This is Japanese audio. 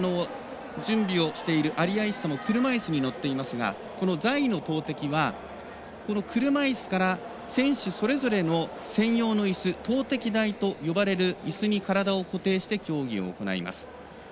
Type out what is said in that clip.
準備をしているアリア・イッサも車いすに乗っていますが座位の投てきは車いすから選手それぞれの専用のいす投てき台と呼ばれるいすに体を固定して競技を行います。